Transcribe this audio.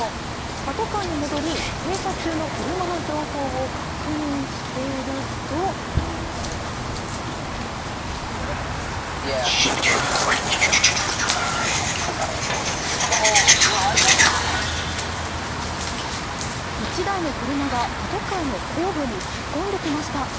パトカーに戻り停車中の車の情報を確認していると１台の車がパトカーの後部に突っ込んできました。